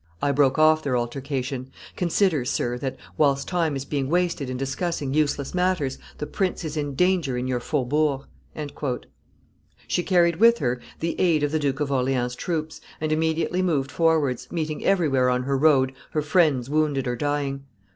I broke off their altercation. 'Consider, sir, that, whilst time is being wasted in discussing useless matters, the prince is in danger in your faubourgs.'" She carried with her the aid of the Duke of Orleans' troops, and immediately moved forwards, meeting everywhere on her road her friends wounded or dying.